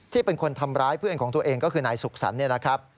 ที่เป็นคนทำร้ายเพื่อนของตัวเองก็คือนายศุกษัน